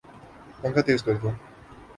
پنکھا تیز کردو